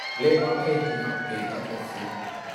Lehhmah hlei hnih ah pe khat a si.